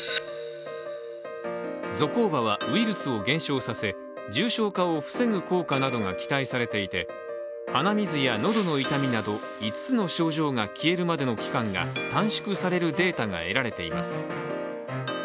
ゾコーバはウイルスを減少させ重症化を防ぐ効果などが期待されていて鼻水や喉の痛みなど５つの症状が消えるまでの期間が短縮されるデータが得られています。